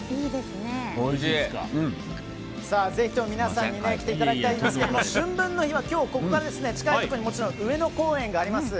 ぜひとも皆さんに来ていただきたいんですが春分の日は今日ここから近いところに上野公園があります。